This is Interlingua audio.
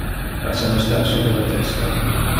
Lassa me star super le testa.